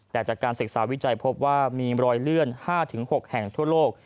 แต่จากการศึกษาวิจัยพบว่ามีรอยเลื่อน๕๖แห่งทั่วโลก